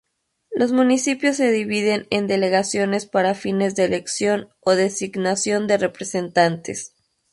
Los municipios se dividen en delegaciones para fines de elección o designación de representantes.